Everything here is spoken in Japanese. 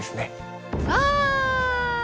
わ。